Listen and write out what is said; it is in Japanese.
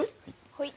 はい。